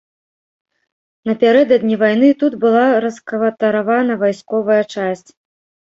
Напярэдадні вайны тут была раскватаравана вайсковая часць.